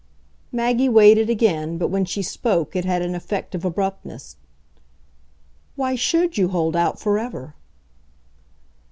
Maggie waited again, but when she spoke it had an effect of abruptness. "Why SHOULD you hold out forever?"